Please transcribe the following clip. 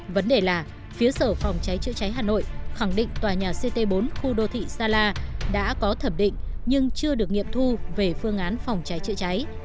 vấn đề là phía sở phòng cháy chữa cháy hà nội khẳng định tòa nhà ct bốn khu đô thị sa la đã có thẩm định nhưng chưa được nghiệm thu về phương án phòng cháy chữa cháy